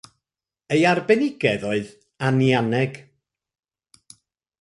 Ei arbenigedd oedd anianeg.